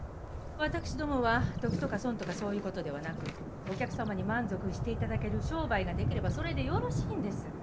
私どもは得とか損とかそういうことではなくお客さまに満足していただける商売ができればそれでよろしいんです。